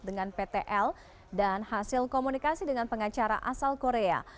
dengan ptl dan hasil komunikasi dengan pengacara asal korea